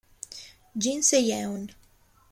Jin Se-yeon